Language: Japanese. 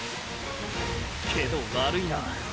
けど悪いな。